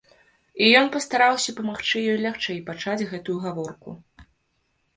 І ён пастараўся памагчы ёй лягчэй пачаць гэтую гаворку.